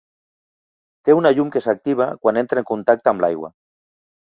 Té una llum que s'activa quan entra en contacte amb l'aigua.